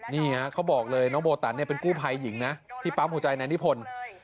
เขาบอกเลยน้องโบตันเป็นกู้ภัยหญิงนะที่ปั๊มหัวใจนายนิพนธ์